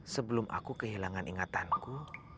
sebelum aku kehilangan ingatanku